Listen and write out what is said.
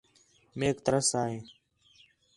میک ترس آ ہے